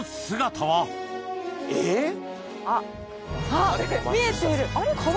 あっ見えてる。